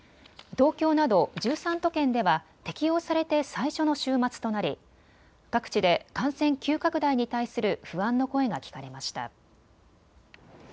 東京など１３都県では適用されて最初の週末となり各地で感染急拡大に対する不安の声が聞かれました。